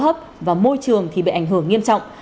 hô hấp và môi trường thì bị ảnh hưởng nghiêm trọng